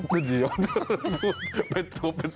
เป็นตัวเป็นตน